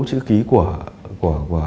chữ ký của